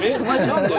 何で？